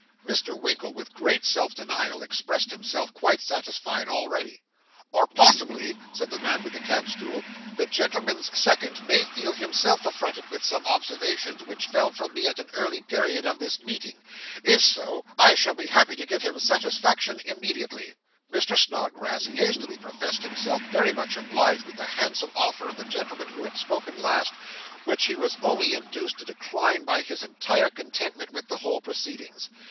Mr. Winkle, with great self denial, expressed himself quite satisfied already. 'Or possibly,' said the man with the camp stool, 'the gentleman's second may feel himself affronted with some observations which fell from me at an early period of this meeting; if so, I shall be happy to give him satisfaction immediately.' Mr. Snodgrass hastily professed himself very much obliged with the handsome offer of the gentleman who had spoken last, which he was only induced to decline by his entire contentment with the whole proceedings.